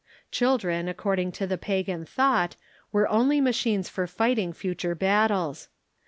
Children, according to the pagan thought, were only machines for fighting future battles.